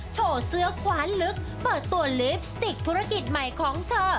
โชว์เสื้อคว้านลึกเปิดตัวลิปสติกธุรกิจใหม่ของเธอ